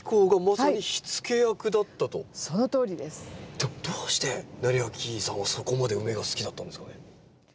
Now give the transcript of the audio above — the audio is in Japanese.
でもどうして斉昭さんはそこまでウメが好きだったんですかね？